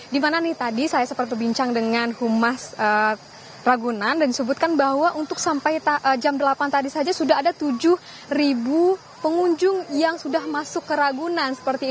dimana nih tadi saya sempat berbincang dengan humas ragunan dan disebutkan bahwa untuk sampai jam delapan tadi saja sudah ada tujuh pengunjung yang sudah masuk ke ragunan